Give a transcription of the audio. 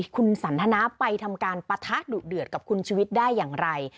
คุณสันทนาไปทำการปะทะดุเดือดกับคุณชีวิตได้อย่างไร